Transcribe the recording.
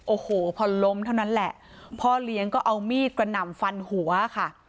โอ้โหพอล้มเท่านั้นแหละพ่อเลี้ยงก็เอามีดกระหน่ำฟันหัวค่ะ